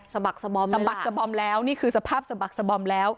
บักสะบอมสะบักสะบอมแล้วนี่คือสภาพสะบักสะบอมแล้ว